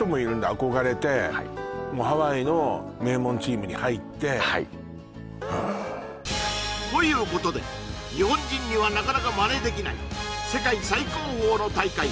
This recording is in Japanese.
憧れてハワイの名門チームに入ってはいということで日本人にはなかなかマネできない世界最高峰の大会